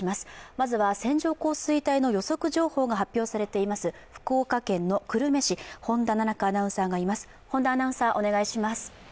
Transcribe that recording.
まずは線状降水帯の予測情報が発表されています、福岡県の久留米市本田奈也花アナウンサーがいます。